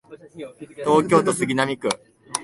東京都杉並区